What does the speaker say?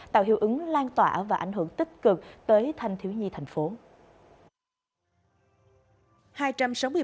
tạo hiệu ứng lan tỏa và ảnh hưởng tích cực tới thanh thiếu nhi thành phố